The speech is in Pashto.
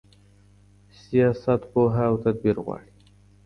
سياست پوهه او تدبير غواړي.